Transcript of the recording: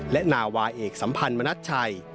และนาวาเอกสัมพันธ์มณัชชัย